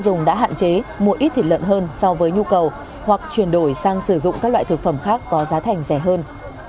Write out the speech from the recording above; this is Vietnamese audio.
tiêu dùng đã hạn chế mua ít thịt lợn hơn so với nhu cầu hoặc chuyển đổi sang sử dụng các loại thực phẩm khác có giá thành rẻ hơn